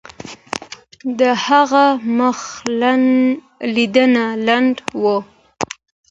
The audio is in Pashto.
د هغه مخ لیدنه لنډه وه.